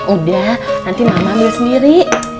udah nanti mama milih sendiri